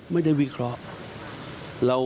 ไม่ได้วิเคราะห์